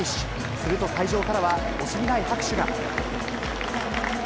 すると会場からは惜しみない拍手